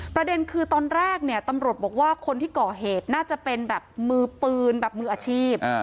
ประเด็นคือตอนแรกเนี่ยตำรวจบอกว่าคนที่ก่อเหตุน่าจะเป็นแบบมือปืนแบบมืออาชีพ